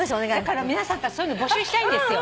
だから皆さんからそういうの募集したいんですよ。